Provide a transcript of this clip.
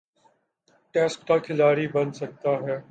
Test کا کھلاڑی بن سکتا ہے۔